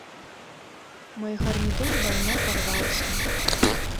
Мой гарнітур даўно парваўся.